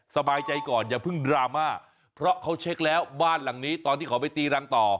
สบายใจก่อนอย่าเพิ่งดราม่าเพราะเขาเช็คแล้วบ้านหลังนี้ตอนที่เขาไปตีรังต่อ